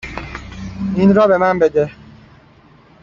این را به من بده.